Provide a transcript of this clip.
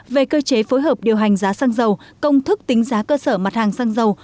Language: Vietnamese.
về cơ chế phối hợp điều hành giá xăng dầu công thức tính giá cơ sở mặt hàng xăng dầu